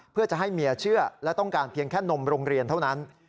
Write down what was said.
เพื่อจะให้เมียเชื่อและต้องการเพียงแค่นมโรงเรียนเท่านั้น